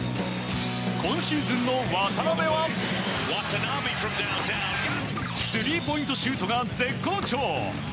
今シーズンの渡邊はスリーポイントシュートが絶好調！